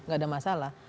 gak ada masalah